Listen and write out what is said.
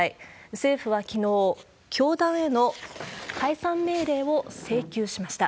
政府はきのう、教団への解散命令を請求しました。